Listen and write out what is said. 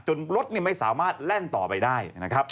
จนรถไม่สามารถแร่งต่อไปได้